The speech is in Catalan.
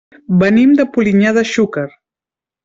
Venim de Polinyà de Xúquer.